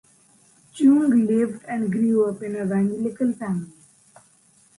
Chung lived and grew up in an evangelical family.